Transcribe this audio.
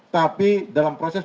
tapi dalam proses